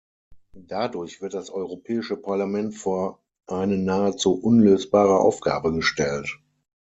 Dadurch wird das Europäische Parlament vor eine nahezu unlösbare Aufgabe gestellt.